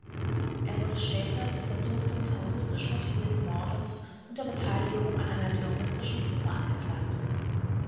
Er wurde später des versuchten terroristisch motivierten Mordes und der Beteiligung an einer terroristischen Gruppe angeklagt.